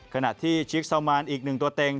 ขณะที่ชิคซาวมานอีกหนึ่งตัวเต็ง